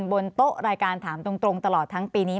บนโต๊ะรายการถามตรงตลอดทั้งปีนี้